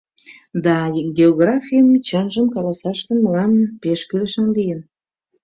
Да географий, чынжым каласаш гын, мылам пеш кӱлеш лийын.